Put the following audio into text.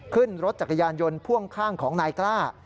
ขึ้นรถจักรยานยนต์พ่วงข้างของนายกล้า